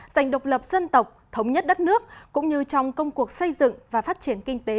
dành độc lập dân tộc thống nhất đất nước cũng như trong công cuộc xây dựng và phát triển kinh tế